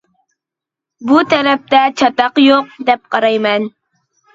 بۇ تەرەپتە چاتاق يوق دەپ قارايمەن.